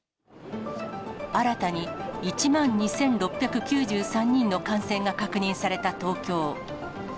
新たに１万２６９３人の感染が確認された東京。